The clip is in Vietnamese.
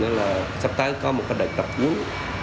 nên là sắp tới có một cái đợt tập hướng